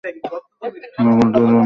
মোগলদের অনেক ফৌজদার ছিল।